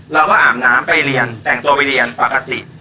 อาบน้ำไปเรียนแต่งตัวไปเรียนปกติ